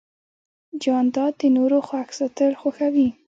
جانداد د نورو خوښ ساتل خوښوي.